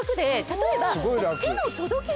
例えば。